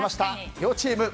両チーム。